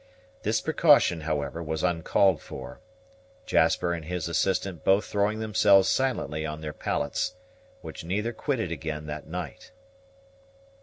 This precaution, however, was uncalled for; Jasper and his assistant both throwing themselves silently on their pallets, which neither quitted again that night.